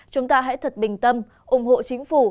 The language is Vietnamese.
chúng ta hãy thật bình tâm ủng hộ chính phủ